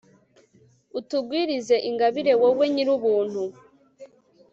utugwirize ingabire wowe nyirubuntu